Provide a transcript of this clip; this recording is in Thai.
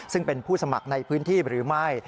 ซึ่งเป็นผู้สมัครในพื้นที่หรือไม่